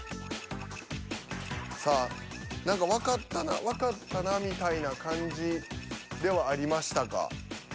さあ何かわかったなわかったなみたいな感じではありましたが。